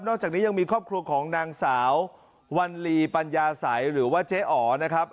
จากนี้ยังมีครอบครัวของนางสาววัลลีปัญญาสัยหรือว่าเจ๊อ๋อนะครับ